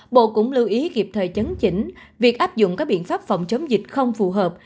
bộ cũng lưu ý kịp thời chấn chỉnh việc áp dụng các biện pháp phòng chống dịch không phù hợp